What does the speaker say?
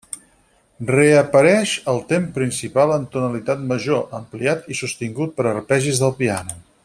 Reapareix el tem principal en tonalitat major, ampliat i sostingut per arpegis del piano.